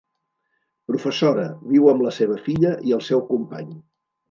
Professora, viu amb la seva filla i el seu company.